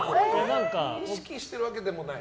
意識しているわけでもない？